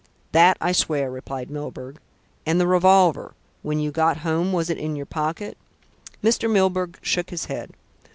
"That I swear," replied Milburgh. "And the revolver when you got home was it in your pocket?" Mr. Milburgh shook his head.